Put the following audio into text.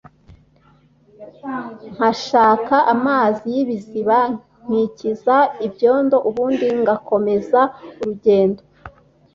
nkashaka amazi y’ibiziba nkikiza ibyondo ubundi ngakomeza urugendo